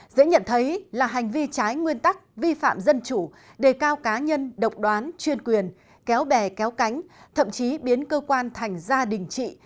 dễ nhận thấy là hành vi trái nguyên tắc vi phạm dân chủ đề cao cá nhân độc đoán chuyên quyền kéo bè kéo cánh thậm chí biến cơ quan thành gia đình trị